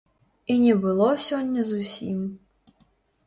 І не было сёння зусім.